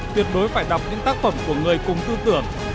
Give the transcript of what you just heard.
tuyệt đối phải đọc những tác phẩm của người cùng tư tưởng